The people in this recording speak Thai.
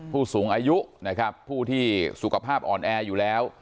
ผู้สูงอายุนะครับผู้ที่สุขภาพอ่อนแออยู่แล้ว